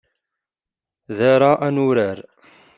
Da ara nurar.